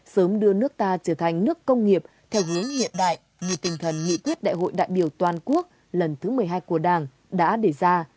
sớm đưa nước ta trở thành nước công nghiệp theo hướng hiện đại như tinh thần nghị quyết đại hội đại biểu toàn quốc lần thứ một mươi hai của đảng đã đề ra